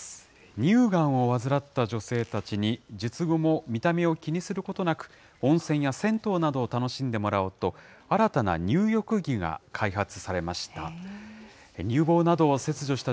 乳がんを患った女性たちに、術後も見た目を気にすることなく、温泉や銭湯などを楽しんでもらおうと、新たな入浴着が開発されました。